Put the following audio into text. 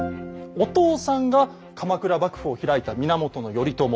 お父さんが鎌倉幕府を開いた源頼朝。